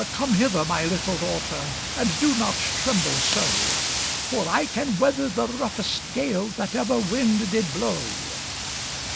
come hither! my little daughter, And do not tremble so; For I can weather the roughest gale, That ever wind did blow."